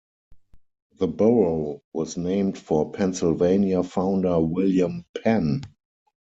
The borough was named for Pennsylvania founder William Penn.